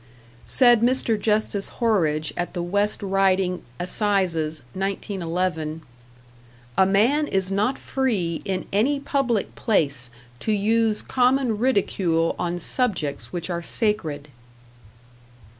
Said Mr. Justice Horridge, at the West Riding Assizes, 1911: "A man is not free in any public place to use common ridicule on subjects which are sacred."